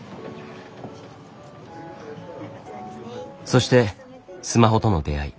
そしてスマホとの出会い。